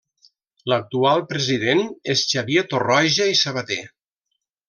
L'actual president és Xavier Torroja i Sabater.